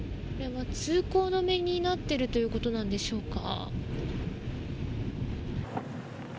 通行止めになっているということなんでしょうか。